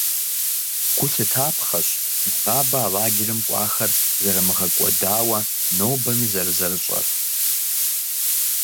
Гу лъытапхъэщ нэгъабэ а лагерым кӏуахэр зэрымыгъэкӏуэдауэ нобэми зэрызэрыщӏэр.